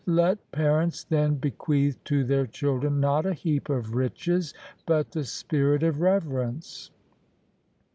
Let parents, then, bequeath to their children not a heap of riches, but the spirit of reverence.